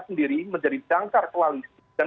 sendiri menjadi dangkar koalisi dan